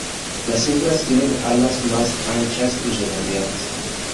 Las hembras tienen alas más anchas y redondeadas.